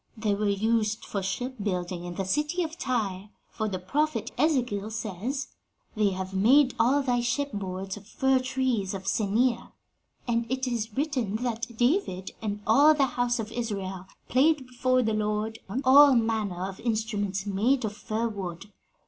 They were used for shipbuilding in the city of Tyre; for the prophet Ezekiel says, 'They have made all thy ship boards of fir trees of Senir,' and it is written that 'David and all the house of Israel played before the Lord on all manner of instruments made of firwood.'